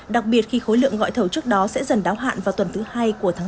đặc biệt khi khối lượng gọi thầu trước đó sẽ dần đáo hạn vào tuần thứ hai của tháng bốn